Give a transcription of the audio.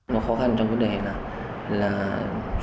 một khó khăn trong vấn đề là